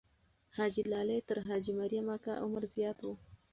حاجي لالی تر حاجي مریم اکا عمر زیات وو.